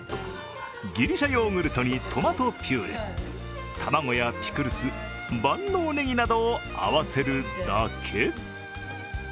ギリシャヨーグルトにトマトピューレ、卵やピクルス、万能ねぎなどを合わせるだけ。